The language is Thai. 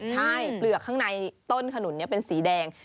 ใช่เปลือกข้างในต้นขนุนเป็นสีแดง